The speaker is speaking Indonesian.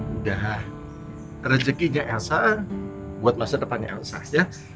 udah rezekinya elsa buat masa depannya elsa ya